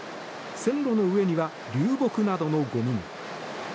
線路の上には流木などのごみが。